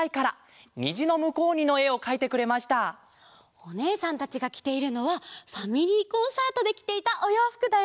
おねえさんたちがきているのはファミリーコンサートできていたおようふくだよ。